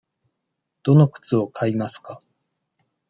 どの靴を買いますか。